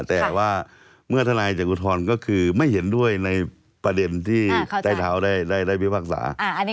แต่ว่าเมื่อทนายจะอุทธรณ์ก็คือไม่เห็นด้วยในประเด็นที่ใต้เท้าได้พิพากษา